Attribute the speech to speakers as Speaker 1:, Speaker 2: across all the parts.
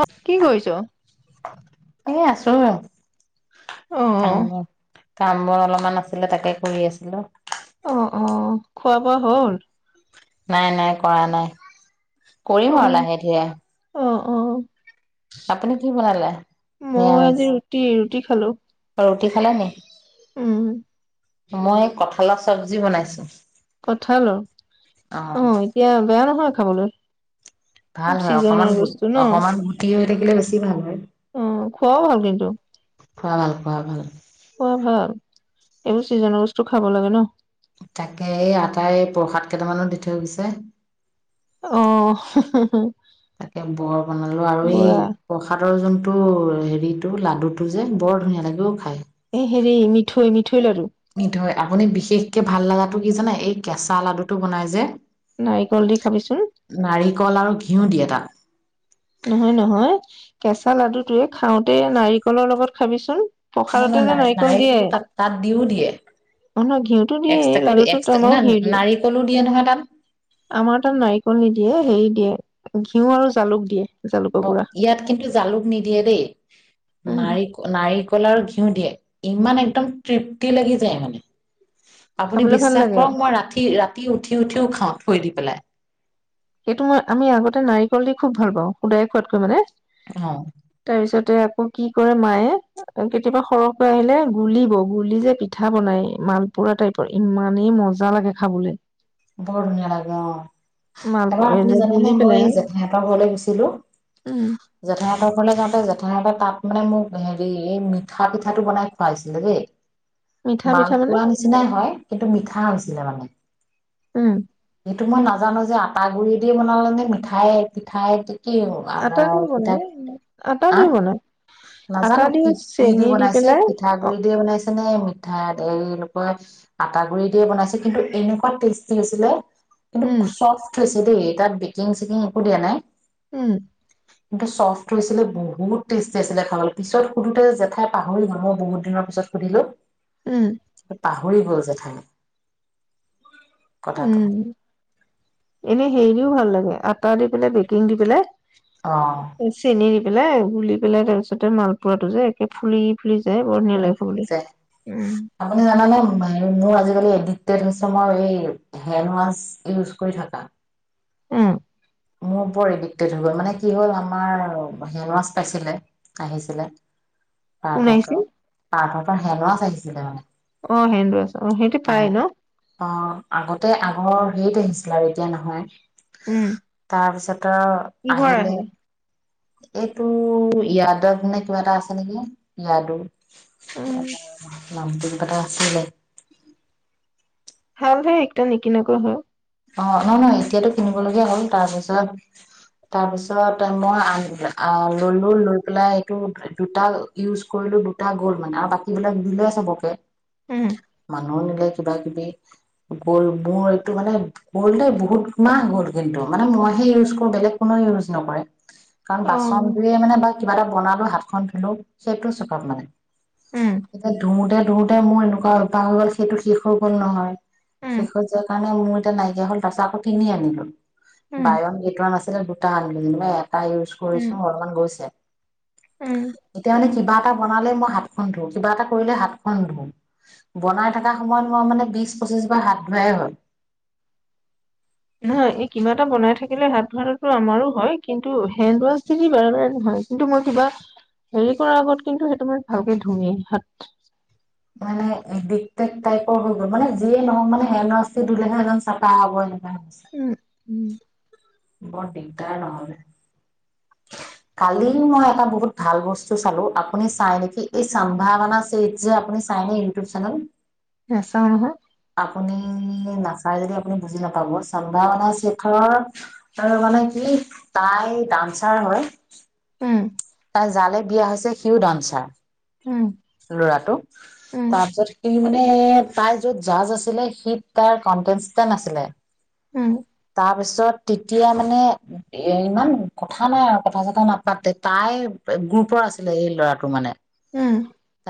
Speaker 1: অ কি কৰিছ
Speaker 2: এ আছো
Speaker 1: অ
Speaker 2: কাম কাম বোৰ অলপমান আছিলে তাকে কৰি আছিলো
Speaker 1: অ অ খোৱা বোৱা হ'ল
Speaker 2: নাই নাই কৰা নাই
Speaker 1: অ
Speaker 2: কৰিম আৰু লাহে ধৰে
Speaker 1: অ অ মই
Speaker 2: নিৰামিষ
Speaker 1: আজি ৰুটি ৰুটি হেল্ল'
Speaker 2: ৰুটি খালা নাই
Speaker 1: উম
Speaker 2: মই কঠালৰ চব্জি বনাইছো।
Speaker 1: কঠালৰ অ এতিয়া বেয়া নহয়। খবলৈ
Speaker 2: ভাল হয় অকমান অকমান গুটি থাকিলে বেছি ভাল হয়
Speaker 1: অ খোৱাও ভাল কিন্তু
Speaker 2: খোৱা ভাল খোৱা ভাল।
Speaker 1: খোৱা ভাল এইবোৰ চিজনৰ বস্তু খাব লাগে ন
Speaker 2: তাকে এই আটাই প্ৰসাদ কেইটামানত দি থৈ গৈছে।
Speaker 1: অ হোহো
Speaker 2: তাকে বৰ বনালো আৰু এই প্ৰসাদৰ যোন। টো হেৰিতটো লাডু টো যে বৰ ধুনীয়া লাগে ও।
Speaker 1: এই হেৰি মিঠৈ মিঠ। থৈ আৰু
Speaker 2: সেইটো হয় আপুনি বিশেষকে ভাল লগাটো কি জানে এই কেঁচা লাডুটো বনাই যে
Speaker 1: নাৰিকল দি খাবিচোন
Speaker 2: নাৰিকল আৰু ঘিউ দিয়ে তাক
Speaker 1: নহয় নহয় কেঁচা লাডুটোৱে খাওঁতে নাৰিকলৰ লগত খাবিচোন প্ৰসাদতে
Speaker 2: নহয়
Speaker 1: যে
Speaker 2: নহয় ন
Speaker 1: নাৰিকল দিয়ে
Speaker 2: নাৰিকলো তাত তাত দিও দিয়ে
Speaker 1: অহয় ঘিউটো দিয়ে
Speaker 2: এক্সট্ৰাকে
Speaker 1: লাডুটোত
Speaker 2: এক্সট্ৰা ন
Speaker 1: আমাৰো ঘিউ দিয়ে
Speaker 2: নাৰিকলো দিয়ে নহয় তাত
Speaker 1: আমাৰ তাত নাৰিকল নিদিয়ে হেৰি দিয়ে। ঘিউ আৰু জালুক দিয়ে জালুকৰ
Speaker 2: অ
Speaker 1: গুড়া
Speaker 2: ইয়াত কিন্তু জালুক নিদিয়ে দেই
Speaker 1: উম
Speaker 2: নাৰিক নাৰিকল আৰু দিওঁ দিয়ে ইমান একদম তৃপ্তি লাগি যায় মানে আপুনি
Speaker 1: খাবলৈ ভাল
Speaker 2: বিশ্বাস
Speaker 1: লাগে
Speaker 2: কৰক মই ৰাতি ৰাতি উঠি উঠিও খাও থৈ দি পেলাই
Speaker 1: সেইটো মই আমি আগতে নাৰিকল দি খুব ভাল পাওঁ শুদায়ে খোৱাতকৈ মানে
Speaker 2: আহ
Speaker 1: তাতে আকৌ কি কৰে মায়ে কেতিয়াবা সৰহকৈ আহিলে গুলিব গুলি যে পিঠা বনাই মালপুৰা টাইপৰ ইমানেই মজা লাগে খাবলৈ।
Speaker 2: বৰ ধুনীয়া লাগে অ
Speaker 1: মাল
Speaker 2: এবাৰ আপুনি
Speaker 1: যে
Speaker 2: জানোনে
Speaker 1: গুলি পেলাই
Speaker 2: মই জেঠাই এপৰ ঘৰলৈ গৈছিলো
Speaker 1: উম
Speaker 2: জেঠাই ততৰ ফৰলৈ যাওঁতে জেঠাইটা তাত মানে মোক হেৰি এই মিঠা পিঠাটো বনাই খুৱাইছিলে দেই
Speaker 1: মিঠা পিঠা মানে
Speaker 2: মালপৰা নিচিনাই হয় কিন্তু মিঠা নিছিলে মানে?
Speaker 1: উম
Speaker 2: এইটো মই নাজানো যে আটা গুৰি দ বনালে নে মিঠাই পিঠাই দি কি আ
Speaker 1: আটা দি
Speaker 2: পিঠা
Speaker 1: বনাই আটা
Speaker 2: আ
Speaker 1: দি বনাই আটা
Speaker 2: নাজানো
Speaker 1: দি
Speaker 2: কি কি দি
Speaker 1: চেনি
Speaker 2: বনাইছে
Speaker 1: পেলাই অ
Speaker 2: পিঠাগুৰি দিয় বনাইছে। দিকেনি মিঠাই এইকৈ আটা গুৰি দিয়ে বনাইছে কিন্তু এনেকুৱা টেষ্টি হৈছিলে কিন্তু
Speaker 1: উম
Speaker 2: চফ্ট হৈছিলে। হেটোয়ে, তাত বেকিং- চেকিং একো দিয়া নাই।
Speaker 1: উম।
Speaker 2: কিন্তু চফ্ট হৈছিলে, বহুত টেষ্টি আছিলে খাবলৈ পিছত সুধোতে জেঠাই পাহৰি গ'ল, মই বহুত দিনৰ পিছত সুধিলো।
Speaker 1: উম,
Speaker 2: পাহ ঘৰি গল জেঠাই। কথাটো
Speaker 1: উম। এনে হেৰিও ভাল লাগে, ভআটা দি পেলাই বেকিং দি পেলাই।
Speaker 2: অ
Speaker 1: [unintelligible] চেনে। পেলাই গুলি পেলাই তাৰপিছতে মালপৱাটো যে একে ফুলি ফুলি যায় বৰ ধুনীয়া
Speaker 2: ফুলি
Speaker 1: লাগে
Speaker 2: ফুলি
Speaker 1: খাবলৈ।
Speaker 2: যায়,
Speaker 1: উম।
Speaker 2: আপুনি জানানে হেৰি মোৰ আজিকালি এদি টেড হৈছে মই এই, হেনৱাছ ইউজ কৰি থকা।
Speaker 1: উম।
Speaker 2: মোৰ বৰ এডিক্টেড হৈ গ'ল, মানে কি হ'ল আমাৰ হেনৱাছ পাইছিলে, আহিছিলে।
Speaker 1: কোন
Speaker 2: পাৰ্থহঁতৰ,
Speaker 1: আহিছিল?
Speaker 2: পাৰ্থ পা হেনৱাছ আহিচিলে মানে।
Speaker 1: অ ', হেণ্ডৱাচ অ', হেইহটো পাই ন?
Speaker 2: অ' হেইত আহিছিল আৰু এতিয়া নহয়।
Speaker 1: উম।
Speaker 2: তাৰপিছত তাৰো
Speaker 1: কিহৰ
Speaker 2: আহিলে।
Speaker 1: আহে?
Speaker 2: এইটো ইয়াদত নে কিবা এটা আছে নেকি? ইয়াদু।
Speaker 1: উম,
Speaker 2: [inaudible] নামটো কাটা আছিলে।
Speaker 1: ভালহ একদম নিকিনকৈয় হয়।
Speaker 2: অ', নয় নহয়, এতিয়াতো কিনিবলগীয়া হ'ল তাৰপিছত-তাৰপিছত তে মই [unintelligible] আ ললো লৈ পেলাই এইটো দুটা ইউজ কৰিলো দুটা গ'ল মানে আৰু বাকী বিলাক দিলে চবকে।
Speaker 1: উম,
Speaker 2: মানুহ বিলাক। কিবা-কিবি গ'ল মোৰ এইটো মানে গ'ল দে বহুত মাহ গ'ল, কিন্তু মানে মইহে ইউজ কৰো বেলেগ কোনো ইউজ নকৰে। কাৰণ
Speaker 1: অ',
Speaker 2: বাচন
Speaker 1: উম,
Speaker 2: ধুইয়ে মানে বা কিবা এটা বনালো হাতখন ধুলো সেইটো চকক মানে। এতিয়া ধুওতে ধু তে মোৰ এনেকুৱা কাঁহহৈ গ'ল সেইটো শেষ হৈ গ'ল নহয়।
Speaker 1: উম,
Speaker 2: সেইখন যে কাৰান ম এ নাইকিয় হল তাৰাছ আকৌ কিিনি আনিলো
Speaker 1: উম,
Speaker 2: বায়ন কেইটমান আাছে দুটা আন লয় তাই ইউজ
Speaker 1: উম,
Speaker 2: কৰিছো অলমান গৈছে
Speaker 1: উম।
Speaker 2: এতিয়া মানে কিবা এটা বনালে মই হাতখন ধোঁ কিবা এটা কৰিলে হাতখন ধোঁ বনাই থকা সময়ত মই মানে বিশ পঁচিশ বাৰ হাত ধোঁৱাই হয়
Speaker 1: নহয় এই কিবা এটা বনাই থাকিলে হাত ধোৱা টো আমাৰো হয় কিন্তু হেণ্ড ৱাছ যদি বাৰে বাৰে নহয় কিন্তু মই কিবা হেৰি কৰাৰ আগত কিন্তু সেইটো মই ভালকে ধোৱেই হাত
Speaker 2: মানে দিগটেত টাইপৰ হৈ গ'ল মানে যিয়ে নহওঁক মানে হেন ৱাচ টো ধুলে হে এদম চাফা হব ব
Speaker 1: উম, উম,
Speaker 2: ব দিকদাৰ নহ'লে কালি মই এটা বহুত ভাল বস্তু চালোঁ আপুনি চাই নেকি এই চাম্ভাৱনা চ যে আপুনি চাইনে ইউটিউব চেনেল
Speaker 1: নেছাওঁ নহয়
Speaker 2: আপুনি নাচাই যদি আপুনি বুজি নাপাব চামভাৱানা চেখৰৰ মানে কি তাই ডান্স ছাৰ হয়
Speaker 1: উম
Speaker 2: জালে বিয়া হৈছে সিউ
Speaker 1: উম,
Speaker 2: ধনচাৰ ল'ৰাটো
Speaker 1: উম,
Speaker 2: তাৰ পিছত কি সি মানে তাই য'ত জাৰ্জ আছিলে সি তাৰ কনটেচটেনট আছিলে
Speaker 1: উম
Speaker 2: তাৰপিছত তেতিয়া মানে এ ইমান কথা নাই আৰু কথা চথা নাপাতে তাই গ্ৰুপৰ আছিলে এই ল'ৰাটোৰ মানে
Speaker 1: উম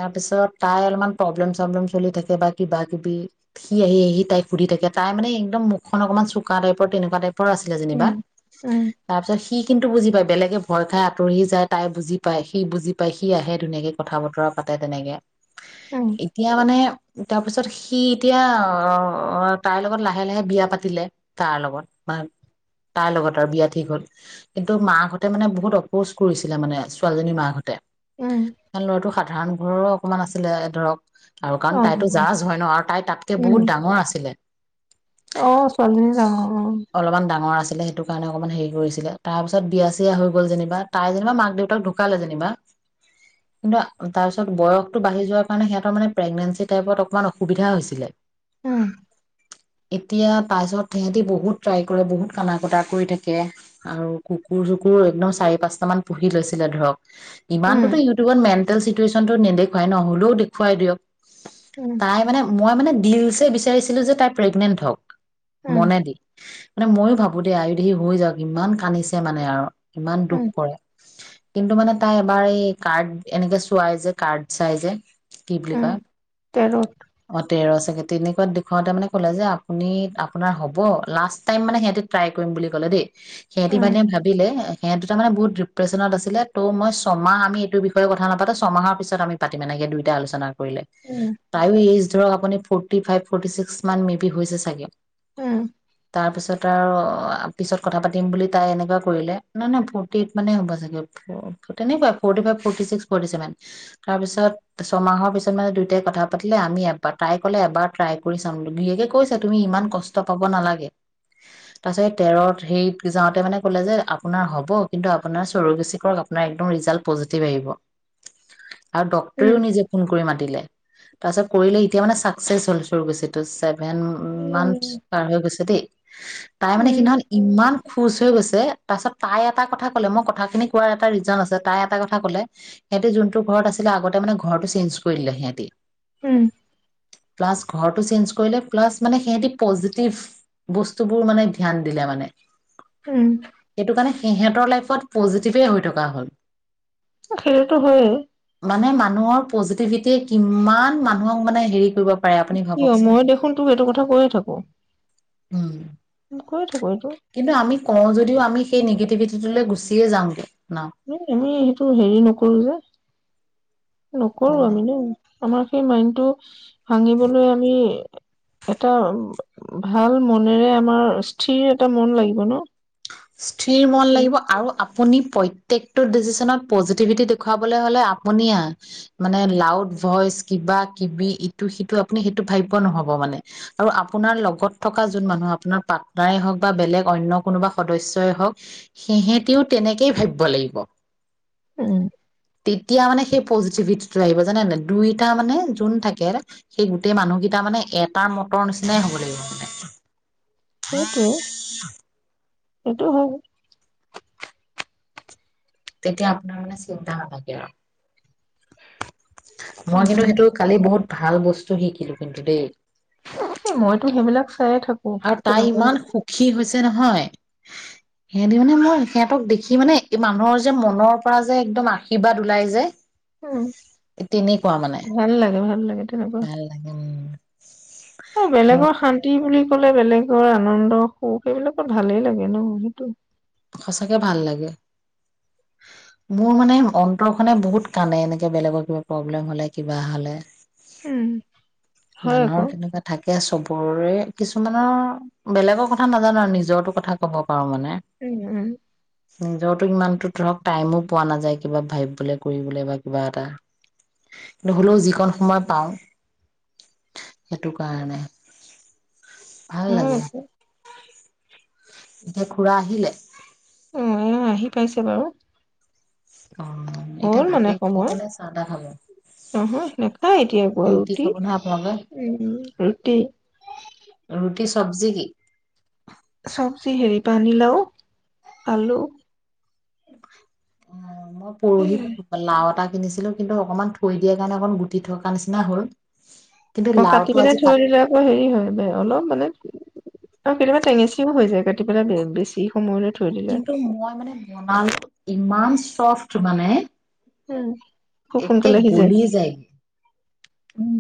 Speaker 2: তাৰপিছত তাই অলপমান প্ৰব্লেম-চব্লেম চলি থাকে বা কিবা কিবি সি আহি আহি তাই সুধি থাকে তাই মানে একদম মুখখন অকণমান চোকা টাইপৰ তেনেকুৱা টাইপ আছিলে যেনিবা
Speaker 1: উম, উম,
Speaker 2: তাৰ পিছত সি সি কিন্তু বুজি পায় বেলেগে ভয় খাই আঁতৰি যায় তাই বুজি পায় সি বুজি পায় সি আহে ধুনীয়াকে কথা বতৰা পাতে তেনেকে
Speaker 1: উম,
Speaker 2: এতিয়া মানে তাৰপিছত তাৰপাছত সি এতিয়া অ তাইৰ লগত লাহে লাহে বিয়া পাতিলে তাৰ লগত ম তাৰ লগত আৰু বিয়া ঠিক হ'ল কিন্তু মাকহঁতে মানে বহুত প'ষ্ট কৰিছিলে মানে ছোৱালীজনীৰ মাকহঁতে
Speaker 1: উম,
Speaker 2: ল'ৰাটো সাধাৰণ ঘৰো অকণমান আছিলে ধৰক আৰু কাৰণ
Speaker 1: অ',
Speaker 2: তাইতো জাৰ্জ হয় ন আৰু তাই তাতকে বহুত ডাঙৰ আছিলে
Speaker 1: আহ ছোৱালীজনী ডাঙ
Speaker 2: ছিলে সেইটো কাৰণে অকণমান হেৰি কৰিছিলে তাৰপিছত বিয়া-চিয়া হৈ গ'ল যেনিবা তাই যেনিবা মাক দেউতাক ঢুকালে যেনিবা কিন্তু তাৰপিছত বয়সটো বাঢ়ি যোৱাৰ কাৰণে সিহঁতৰ মানে প্ৰেগনেঞ্চি টাইপত অকণমান অসুবিধা হৈছিলে
Speaker 1: উম
Speaker 2: এতিয়া তাৰ পিছত সিহঁতি বহুত ট্ৰাই কৰে বহুত কানা-কটা কৰি থাকে আৰু কুকুৰ চুকুৰ একদম চাৰি পাঁচটা মান পুহি লৈছিলে ধৰক
Speaker 1: উম,
Speaker 2: ইমানটোতো ইউটিউবত মেণ্টেল চিটুৱেচন তো নেদেখুৱাই নহ'লেও দেখুৱাই দিয়ক
Speaker 1: উম,
Speaker 2: তাই মানে মই মানে ডিলছে বিচাৰিছিলো যে তাই প্ৰেগনেণ্ট হওক
Speaker 1: উম,
Speaker 2: মনে দি মানে ময়ো ভাবো আৰু দেই আয়ুধি হৈ যাওঁ ইমান কান্দিছে মানে আৰু ইমান দুখ
Speaker 1: উম,
Speaker 2: কিন্তু মানে তাই এবাৰ এই কাৰ্ড এনেকে চোৱাই যে কাৰ্ড চাই যে কি বুলি
Speaker 1: উম,
Speaker 2: কয়
Speaker 1: তেৰত
Speaker 2: অ তেৰ তাকে তেনেকুৱাত দেখাওঁতে মানে ক'লে যে আপুনি আপোনাৰ হ'ব লাষ্ট টাইম মানে সিহঁতে ট্ৰাই কৰিম বুলি ক'লে দেই সিহঁতি
Speaker 1: উম,
Speaker 2: মানে ভাবিলে সিহঁত তা মানে বহুত ডিপ্ৰেশ্যনত আছিলে ত মই ছমাহ আমি এইটো বিষয়ে কথা নাপাতো ছমাহৰ পিছত আমি পাতিম এনেকে দুয়োটাই আলোচনা কৰিলে
Speaker 1: উম,
Speaker 2: তাইও এইচ ধৰক আপুনি ফুত- ফৰ্টি ফাইভ ফৰ্টি ছিক্স মান মে বি হৈছে চাগে
Speaker 1: উম,
Speaker 2: তাৰপিছত তাৰ পিছত কথা পাতিম বুলি তাই এনেকুৱা কৰিলে নাই নহ ফৰ্টি এইট মানে হ'ব চাগে তেনেকুৱাই forty five forty six forty seven তাৰপিছত ছমাহৰ পিছত মানে দুইটাই কথা পাতিলে আমি এবাৰ ট্ৰাই ক'লে এবাৰ ট্ৰাই কৰি চাম গিৰীয়েকে কৈছে তুমি ইমান কষ্ট পাব নালাগে তাৰ পিছত তেৰত হেৰিত যাওঁতে মানে ক'লে যে আপোনাৰ হ'ব কিন্ত আপোনাৰ চৰবেচি কৰক আপোনাৰ একদম ৰিজাল্ট পজিটিভ আহিব আৰু ডাক্তৰেও
Speaker 1: উম,
Speaker 2: নিজে ফোন কৰি মাতি তিলে তাৰপিছত কৰিলে এতিয়া মানে চাক চেছ হল চুৰুগুছি টো ছেক ভেন মান
Speaker 1: উম,
Speaker 2: পাৰ হৈ গৈছে যদি তাই মানে
Speaker 1: উম,
Speaker 2: সেইদিনাখন ইমান খোচ হৈ গৈছে তাৰপাছত তাই ইয়াত এটা কথা কলে মই কথাখিনি কোৱাৰ এটা ৰিজন আছে তাই এটা কথা কলে সিহঁতি যোনটো ঘৰত আছিলে আগতে মানে ঘৰটো মানে চেঞ্চ কৰি দিলে সিহঁতি
Speaker 1: উম
Speaker 2: প্লাছ ঘৰটো চেঞ্জ কৰিলে প্লাছ মানে সিহঁতি পজিটিভ বস্তুবোৰ মানে ধ্যান দিলে মানে
Speaker 1: উম
Speaker 2: সেইটো কাৰণে সিহঁতৰ লাইফত পজিটিভেই হৈ থকা হ'ল
Speaker 1: সেইটো হয়ে
Speaker 2: মানে মানুহৰ পজিটিভিটিয়ে কিমান মানুহক মানে হেৰি কৰিব পা- পাৰে আপুনি ভাবক
Speaker 1: কিয়
Speaker 2: চোন,
Speaker 1: মই দেখোন তোক এইটো কথা কৈয়ে থাকো।
Speaker 2: উম
Speaker 1: কৈয়ে থাকো এইটো
Speaker 2: কিন্তু আমি কও যদিও আমি সেই নিগে- পৃথি টোলে গুচিয়ে যাওঁগৈ
Speaker 1: এ আমি সেইটো হেৰি নকৰো যে নকৰো
Speaker 2: মানে
Speaker 1: আমি ন আমাৰ সেই মাইণ্ডটো ভাঙিবলৈ আমি এটা ভাল মনেৰে আমাৰ স্থিৰ এটা মন লাগিব ন
Speaker 2: স্থিৰ মন
Speaker 1: সেইটোৱে
Speaker 2: লাগিব আৰু আপুনি প্ৰত্যকটো ডিচিশ্যনত পজিটিভিটি দেখুৱাবলৈ হ'লে আপুনিয়া মানে লাউড ভইচ কিবা কিবি ইটো সিটো আপুনি সেইটো ভাবিব নহব মানে আৰু আপোনাৰ লগত থকা যোন মানুহ আপোনাৰ পাৰ্টনাৰে হওক বা বেলেগ অন্য কোনোবা সদস্যই হওঁক সিহেতিও তেনেকেই ভাবিব লাগিব
Speaker 1: উম
Speaker 2: তেতিয়া মানে সেই পজিটিভিটিটো আহিব জানে দুইটা মানে যোন থাকে সেই গোটেই মানুহকেইটা মানে এটাৰ মতৰ নিচিনাই হব লাগিব মানে
Speaker 1: সেই টোৱে সেইটো হয়
Speaker 2: তেতিয়া আপোনাৰ মানে চিন্তা নাথাকে আৰু মই কিন্তু সেইটো কালি বহুত ভাল বস্তু শিকিলো কিন্তু দেই
Speaker 1: মইতো সেইবিলাক চাইয়ে থাকো
Speaker 2: আৰু তাই
Speaker 1: তেনেকুৱা
Speaker 2: ইমান সুখী হৈছে নহয় হেতি মানে মই সিহঁতক দেখি মানে মানুহৰ যে মনৰ পৰা যে একদম আশীৰ্বাদ ওলাই যে
Speaker 1: উম
Speaker 2: তেনেকুৱা মানে
Speaker 1: ভাল লাগে ভাল লাগে তেনেকুৱা
Speaker 2: ভাল লাগে উম। মন
Speaker 1: বেলেগৰ শান্তি বুলি কলে বেলেগৰ আনন্দৰ সুখ এইবিলাকৰ ভালেই লাগে ন সেইটো
Speaker 2: সচাকে ভাল লাগে মোৰ মানে অন্তৰখনে বহুত কানে এনেকে বেলেগৰ কিবা প্ৰব্লেম হলে কিবা হলে
Speaker 1: উম হয়
Speaker 2: মানুহৰ
Speaker 1: আকৌ
Speaker 2: তেনেকুৱা থাকে চব ওৰে কিছুমানৰ বেলেগৰ কথা নাজানো আৰু নিজৰো কথা ক'ব পাৰো মানে
Speaker 1: উম উম
Speaker 2: নিজৰতো ইমানতো ধৰক টাইমো পোৱা নাযায় কিবা ভাবিবলৈ কৰিবলৈ বা কিবা এটা কিন্তু হ'লেও যিকণ সময় পাও সেইটো কাৰণে ভাল
Speaker 1: হয়
Speaker 2: লাগে
Speaker 1: আকৌ
Speaker 2: এতিয়া খুৰা আহিলে?
Speaker 1: অ এ আহি পাইছে বাৰু
Speaker 2: অ এতিয়া
Speaker 1: হল
Speaker 2: ভাতে
Speaker 1: মানে
Speaker 2: খাব
Speaker 1: সময়
Speaker 2: নে চাহ তাহ খাব?
Speaker 1: নহয় নেখায় এতিয়া আৰু একো ৰুটি
Speaker 2: খাব নহয় আপোনালোকে
Speaker 1: উ ৰুটি
Speaker 2: ৰুটি চব্জি কি?
Speaker 1: চব্জি হেৰি পানী লাও আলু
Speaker 2: উম মই পৰহি লাও এটা কিনিছিলো কিন্তু অকণমান থৈ দিয়া কাৰণে অকণ গুটি থকা নিচিনা হ'ল কিন্তু
Speaker 1: অ কাটি
Speaker 2: লাওটো
Speaker 1: পিনে
Speaker 2: আজি
Speaker 1: থৈ
Speaker 2: কাট
Speaker 1: দিলে আকৌ হেৰি হয় অলপ মানে অ কেতিয়াবা টেঙেচিও হৈ যায় পেলাই বেছি সময়লৈ থৈ দিলে
Speaker 2: কিন্তু মই মানে বনালো ইমান চফ্ট মানে
Speaker 1: উম খুব
Speaker 2: একে
Speaker 1: সোনকালে সিজে
Speaker 2: গলি যায়
Speaker 1: উম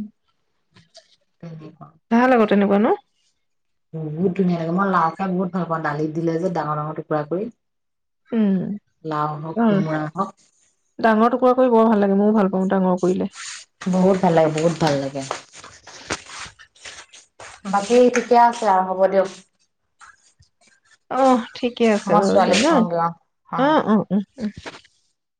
Speaker 2: ততি হা
Speaker 1: ভাল আকৌ তেনেকুৱা ন
Speaker 2: বহুত ধুনীয়া লাগে মই লাও খাই বহুত ভাল পাওঁ দালি দিলে যে ডঙৰ ডঙৰ টুকুৰা কৰি লাও হওক
Speaker 1: উম
Speaker 2: কোমোৰা হওক
Speaker 1: ডাঙৰ টুকুৰা কৰি বৰ ভাল লাগে মোৰ ভাল পাওঁ ডাঙৰ কৰিলে
Speaker 2: বহুত ভাল লাগে বহুত ভাল লাগে বাকী ঠিকে আছে আৰু হ'ব দিয়ক
Speaker 1: অ ঠিকে আছে
Speaker 2: মই
Speaker 1: বাৰু দে
Speaker 2: ছোৱালীক
Speaker 1: ন
Speaker 2: থওঁগে অ
Speaker 1: অ অ উম